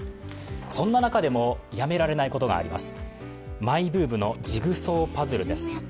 そんな中でもやめられないことがあります。